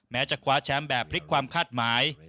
จะคว้าแชมป์แบบพลิกความคาดหมาย